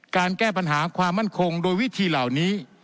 แก้ปัญหาความมั่นคงโดยวิธีเหล่านี้